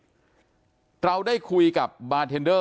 อยู่ดีมาตายแบบเปลือยคาห้องน้ำได้ยังไง